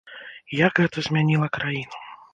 Як гэта змяніла краіну?